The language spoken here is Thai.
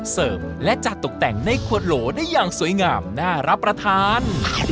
เสิร์ฟและจัดตกแต่งในขวดโหลได้อย่างสวยงามน่ารับประทาน